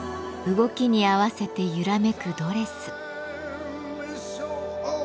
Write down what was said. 動きに合わせて揺らめくドレス。